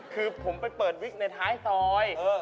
คือผมไปเปิดวิกในท้ายซอย